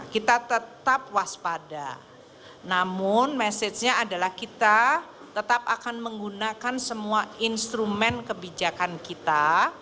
kita tetap waspada namun message nya adalah kita tetap akan menggunakan semua instrumen kebijakan kita